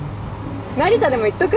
成田でも行っとく？